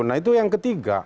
nah itu yang ketiga